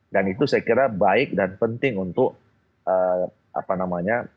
itu saya kira baik dan penting untuk apa namanya